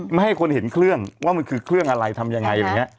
ไม่ให้คนเห็นเครื่องว่ามันคือเครื่องอะไรทำยังไง